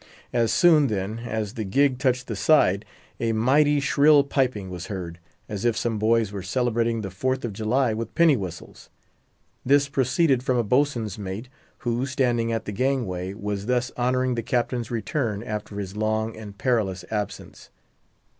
As soon, then, as the gig touched the side, a mighty shrill piping was heard, as if some boys were celebrating the Fourth of July with penny whistles. This proceeded from a boatswain's mate, who, standing at the gangway, was thus honouring the Captain's return after his long and perilous absence.